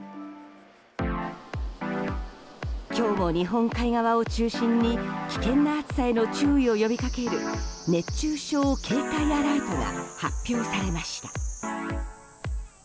今日も日本海側を中心に危険な暑さへの注意を呼びかける熱中症警戒アラートが発表されました。